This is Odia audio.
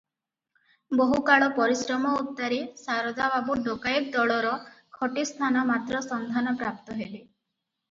ବହୁକାଳ ପରିଶ୍ରମ ଉତ୍ତାରେ ଶାରଦା ବାବୁ ଡକାଏତ ଦଳର ଖଟି ସ୍ଥାନ ମାତ୍ର ସନ୍ଧାନ ପ୍ରାପ୍ତ ହେଲେ ।